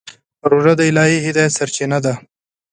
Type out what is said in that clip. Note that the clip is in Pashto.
روژه د الهي هدایت سرچینه ده.